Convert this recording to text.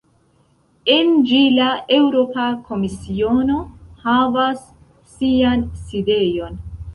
En ĝi la Eŭropa Komisiono havas sian sidejon.